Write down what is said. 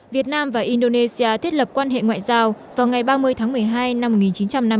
việt nam và indonesia thiết lập quan hệ ngoại giao vào ngày ba mươi tháng một mươi hai năm một nghìn chín trăm năm mươi